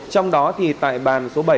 trong đó tại bàn số bảy